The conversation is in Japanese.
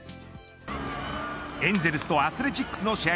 エンゼルスとアスレティックスの試合